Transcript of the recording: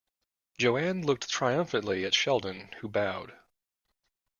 Joan looked triumphantly at Sheldon, who bowed.